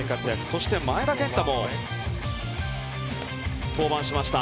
そして前田健太も登板しました。